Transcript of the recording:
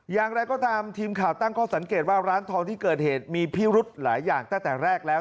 อย่างไรก็ตามทีมข่าวตั้งข้อสังเกตว่าร้านทองที่เกิดเหตุมีพิรุธหลายอย่างตั้งแต่แรกแล้ว